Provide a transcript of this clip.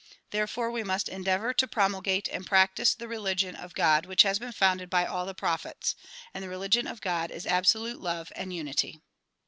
Therefore we must endeavor to promulgate and practice the religion of God which has been founded by all the prophets. And the religion of God is absolute love and unity.